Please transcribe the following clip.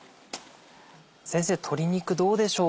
先生鶏肉どうでしょう？